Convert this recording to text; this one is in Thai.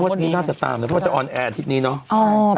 วันนี้น่าจะตามนะเพราะว่าจะออนแอร์อาทิตย์นี้เนาะ